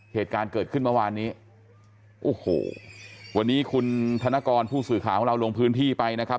เหตุการณ์เกิดขึ้นเมื่อวานนี้โอ้โหวันนี้คุณธนกรผู้สื่อข่าวของเราลงพื้นที่ไปนะครับ